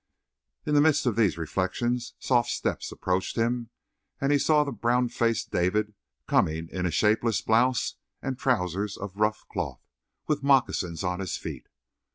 In the midst of these reflections soft steps approached him, and he saw the brown faced David coming in a shapeless blouse and trousers of rough cloth, with moccasins on his feet.